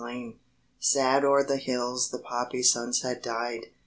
OMENS Sad o'er the hills the poppy sunset died.